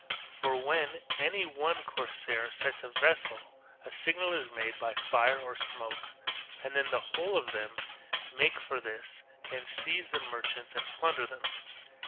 For when any one cor sair sights a vessel a signal is made by fire or smoke, and then the whole of them make for this, and seize the mer chants and plunder them.